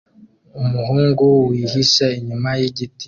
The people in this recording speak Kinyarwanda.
Umuhungu wihishe inyuma yigiti